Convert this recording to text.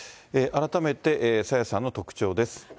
改めて朝芽さんの特徴です。